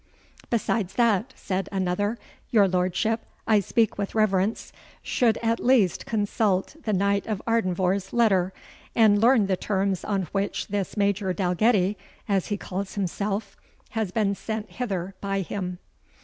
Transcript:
"Besides that," said another, "your lordship I speak with reverence should, at least, consult the Knight of Ardenvohr's letter, and learn the terms on which this Major Dalgetty, as he calls himself, has been sent hither by him."